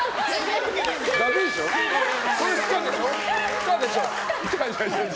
不可でしょ。